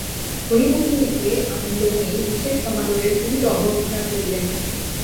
হরিমোহিনীকে আনন্দময়ী বিশেষ সমাদরের সহিত অভ্যর্থনা করিলেন।